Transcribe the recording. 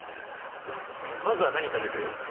まずは何食べる？